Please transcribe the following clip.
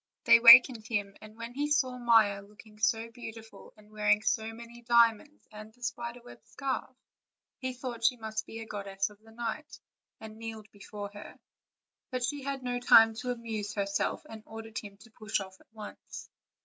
They awakened him, and when he saw Maia looking so beautiful and wearing so many diamonds and the spider web scarf, he thought she must be the goddess of night, and kneeled before her; but she had no time to amuse herself, and ordered him to push off at once.